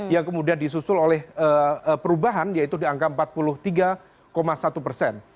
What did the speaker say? yang kemudian disusul oleh perubahan yaitu di angka empat puluh tiga satu persen